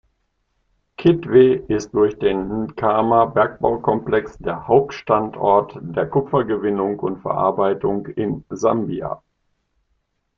Kitwe ist durch den Nkana-Bergbaukomplex der Hauptstandort der Kupfergewinnung und -verarbeitung in Sambia.